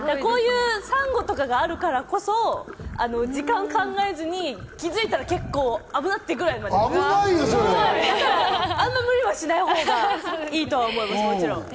サンゴとかがあるからこそ、時間考えずに気づいたら結構危な！っていうくらいまであまり無理はしないほうがいいとは思います。